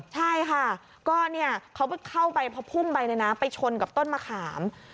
ใช่ค่ะเขาก็เข้าไปเพราะพุ่มใบในน้ำไปชนกับต้นมะขาม